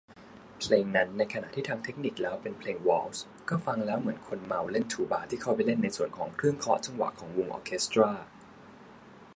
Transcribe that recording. เพลงนั้น ในขณะที่ทางเทคนิคแล้วเป็นเพลงวอลทซ์ ก็ฟังแล้วเหมือนคนเมาเล่นทูบาที่เข้าไปเล่นในส่วนเครื่องเคาะจังหวะของวงออร์เคสตร้า